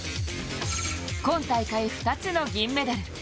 今大会２つの銀メダル。